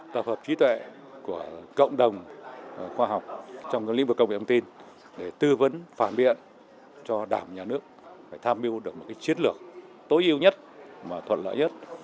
tập hợp trí tuệ của cộng đồng khoa học trong các lĩnh vực công nghệ thông tin để tư vấn phản biện cho đảng nhà nước phải tham mưu được một chiến lược tối ưu nhất mà thuận lợi nhất